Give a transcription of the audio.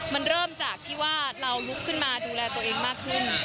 มันเริ่มจากที่ว่าเราลุกขึ้นมาดูแลตัวเองมากขึ้น